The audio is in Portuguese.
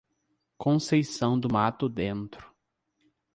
Conceição do Mato Dentro